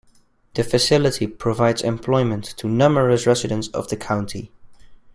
The facility provides employment to numerous residents of the county.